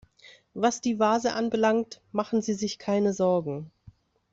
Was die Vase anbelangt, machen Sie sich keine Sorgen.